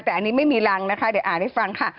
แต่อันนี้ไม่มีรังนะคะเดี๋ยวอ่านให้ฟังค่ะ